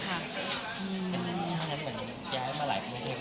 ใช่ค่ะ